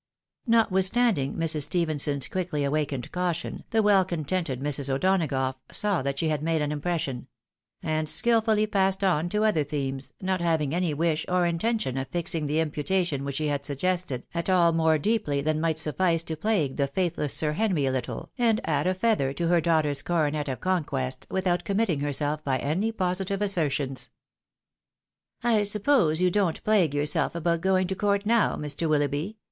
Notwithstanding Mrs. Stephenson's quickly awakened caution, the weU contented Mrs. O'Donagough saw that she had made an impression ; and skilfully passed on to other themes, not having any wish or intention of fixing the imputation which she had suggested at all more deeply than might suffice to plague TRUE GENTILITY UNPUECHASABLE. 325 the faitliless Sir Henry a little, and add a feather to her daughter's coronet of conquests, without committing herself by any positive assertions. " I suppose you don't plague yourself about going to court now, Mr. Willoughby